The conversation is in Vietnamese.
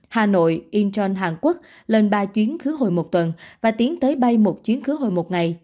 hà nội incheon hàn quốc lên ba chuyến khứ hồi một tuần và tiến tới bay một chuyến khứa hồi một ngày